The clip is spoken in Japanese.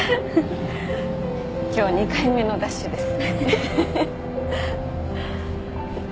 今日２回目のダッシュです。